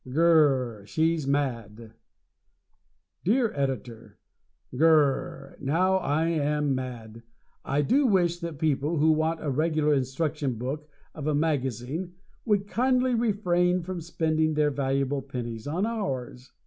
Gr r r She's Mad! Dear Editor: Gr r r, now I am mad! I do wish that people who want a regular instruction book of a magazine would kindly refrain from spending their valuable pennies on ours.